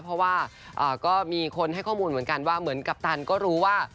เพราะว่าก็มีคนให้ข้อมูลเหมือนกันว่าเหมือนกัปตันก็รู้ว่า